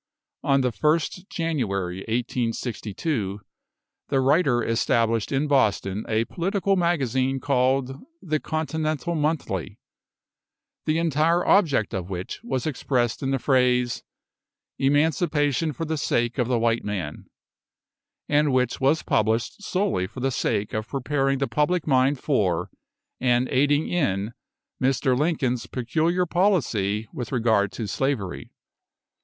On the 1st January, 1862, the writer established in Boston a political magazine, called "The Continental Monthly," the entire object of which was expressed in the phrase, Emancipation for the sake of the white man, and which was published solely for the sake of preparing the public mind for, and aiding in, Mr. Lincoln's peculiar policy with regard to slavery.